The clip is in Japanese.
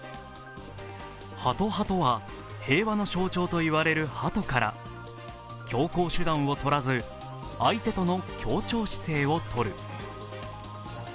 ハト派とは、平和の象徴と言われるハトから強硬手段をとらず、相手との協調姿勢をとる。